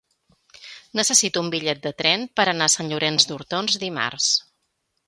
Necessito un bitllet de tren per anar a Sant Llorenç d'Hortons dimarts.